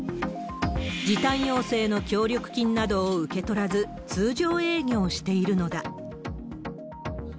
時短要請の協力金などを受け取らず、通常営業しているのだ。